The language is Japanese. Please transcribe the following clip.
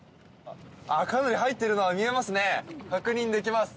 かなり入っているのが見えますね確認できます。